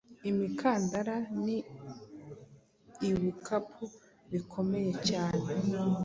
imikandara n’ibukapu bikomeye cyane.